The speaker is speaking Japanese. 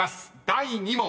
第２問］